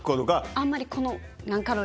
あんまりこの。